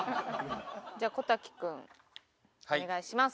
じゃあ小瀧くんお願いします。